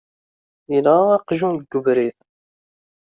Yenɣa aqjun deg ubrid.